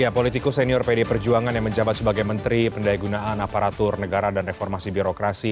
politikus senior pd perjuangan yang menjabat sebagai menteri pendaya gunaan aparatur negara dan reformasi birokrasi